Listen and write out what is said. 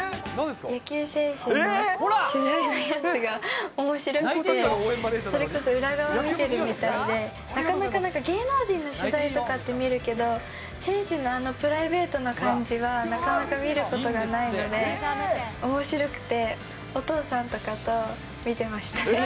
野球選手の取材のやつがおもしろくて、それこそ裏側見てるみたいで、なかなかなんか、芸能人の取材とかって見るけど、選手のあのプライベートな感じはなかなか見ることがないので、おもしろくて、お父さんとかと見てましたね。